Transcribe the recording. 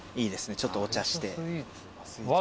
ちょっとお茶して。